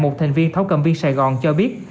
một thành viên thấm cầm viên sài gòn cho biết